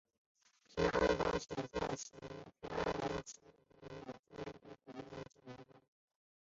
平安保险旗下的平安人寿及西京投资亦有入股金利丰金融。